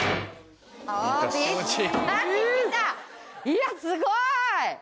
いやすごい！